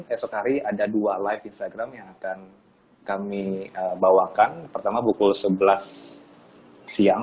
esok hari ada dua live instagram yang akan kami bawakan pertama pukul sebelas siang